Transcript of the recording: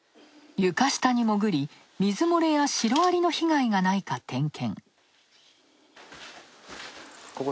床下に潜り水漏れやシロアリの被害がないか点検。